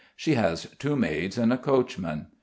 She has two maids and a coachman.